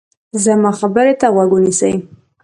زما خبرې ته غوږ ونیسئ.